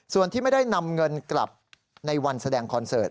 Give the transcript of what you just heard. ส่วนที่ไม่ได้นำเงินกลับในวันแสดงคอนเสิร์ต